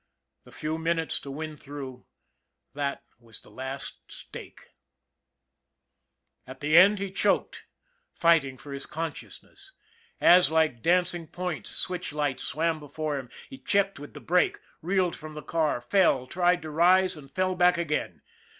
The few minutes to win through that was the last stake ! At the end he choked fighting for his consciousness, as, like dancing points, switch lights swam before him. He checked with the brake, reeled from the car, fell, tried to rise and fell back again.